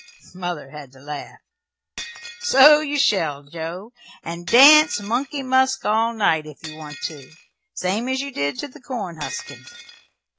Mother had to laugh. "So you shall, Joe, and dance 'Money Musk' all night, if you want to same as you did to the corn huskin'.